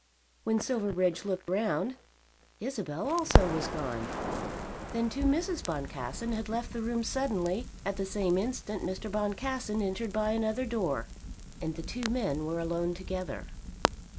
When Silverbridge looked round, Isabel also was gone. Then too Mrs. Boncassen had left the room suddenly. At the same instant Mr. Boncassen entered by another door, and the two men were alone together.